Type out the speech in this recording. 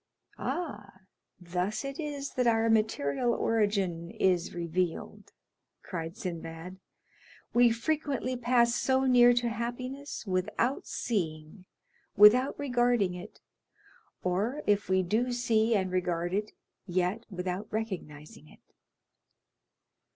"Ah, thus it is that our material origin is revealed," cried Sinbad; "we frequently pass so near to happiness without seeing, without regarding it, or if we do see and regard it, yet without recognizing it.